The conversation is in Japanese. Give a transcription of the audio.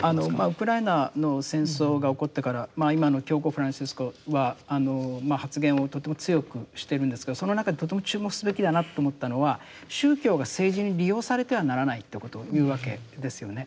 ウクライナの戦争が起こってから今の教皇フランシスコは発言をとても強くしてるんですけどその中でとても注目すべきだなと思ったのは宗教が政治に利用されてはならないってことを言うわけですよね。